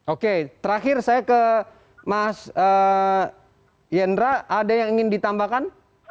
oke terakhir saya ke mas yendra ada yang ingin ditambahkan